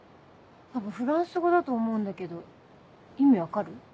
多分フランス語だと思うんだけど意味分かる？